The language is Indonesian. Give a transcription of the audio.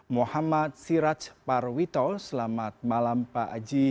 muhammad siraj parwito selamat malam pak aji